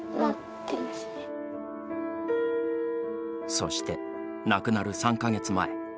そして、亡くなる３か月前。